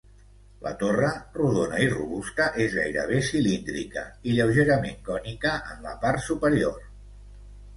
La torre, rodona i robusta, és gairebé cilíndrica i lleugerament cònica en la part superior.